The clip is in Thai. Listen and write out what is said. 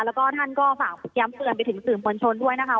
และท่านก็ฝากย้ำเกียรติไปถึงศูนย์มกลบมาความสมควรด้วยนะคะ